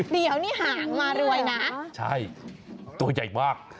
เดี๋ยวนี่หางมารวยนะใช่ตัวใหญ่มาก